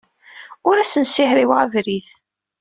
Ur asen-ssihriweɣ abrid.